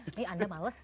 jadi anda males